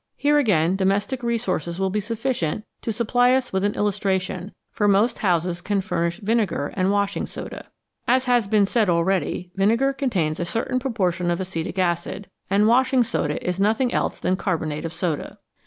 Here again domestic resources will be sufficient to supply us with an illustra tion, for most houses can furnish vinegar and washing soda. As has been said already, vinegar contains a certain pro portion of acetic acid, and washing soda is nothing else than carbonate of soda.